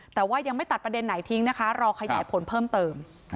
แต่ว่ายังไม่ตัดประเด็นไหนทิ้งนะคะรอขยายผลเพิ่มเติม